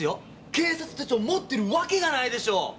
警察手帳持ってるわけがないでしょ！